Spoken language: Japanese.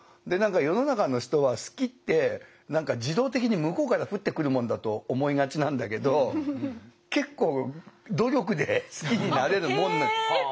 で何か世の中の人は好きって自動的に向こうから降ってくるもんだと思いがちなんだけど結構努力で好きになれるもんなん。